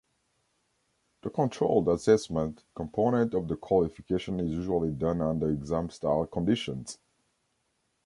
The Controlled Assessment component of the qualification is usually done under exam-style conditions.